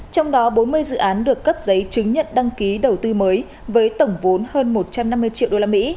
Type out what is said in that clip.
trong đó bốn mươi dự án được cấp giấy chứng nhận đăng ký đầu tư mới với tổng vốn hơn một trăm năm mươi triệu usd